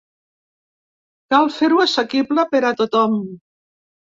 Cal fer-ho assequible per a tothom.